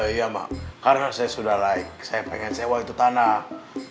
iya mbak karena saya sudah laik saya pengen sewa itu tanah